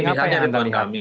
misalnya rituan kamil